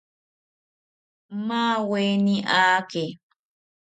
Maaweni aake